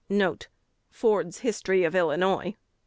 "1 1 Ford's History of Illinois.